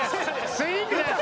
スイングです。